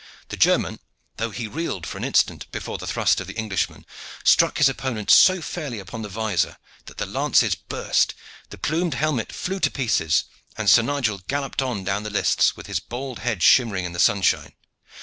The German, though he reeled for an instant before the thrust of the Englishman, struck his opponent so fairly upon the vizor that the laces burst, the plumed helmet flew to pieces, and Sir Nigel galloped on down the lists with his bald head shimmering in the sunshine.